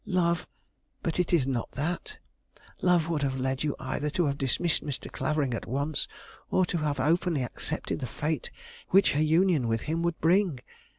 Love but it is not that. Love would have led you either to have dismissed Mr. Clavering at once, or to have openly accepted the fate which a union with him would bring.